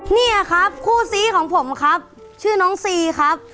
เนี่ยครับคู่ซีของผมครับชื่อน้องซีครับ